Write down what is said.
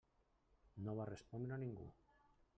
No va respondre ningú.